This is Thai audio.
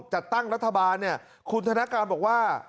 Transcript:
จัดตั้งรัฐบาลคุณธนากรบอกว่า